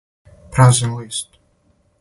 Празан лист.